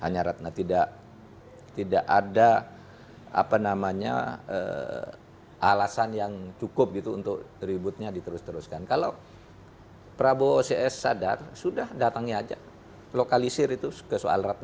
hanya ratna tidak tidak ada apa namanya alasan yang cukup gitu untuk ributnya diterus teruskan kalau prabowo ocs sadar sudah datangnya aja lokalisir itu ke soal ratna